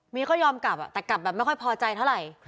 ก็ยอมกลับแต่กลับแบบไม่ค่อยพอใจเท่าไหร่